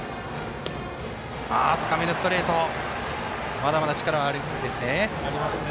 まだまだ力はあるんですね。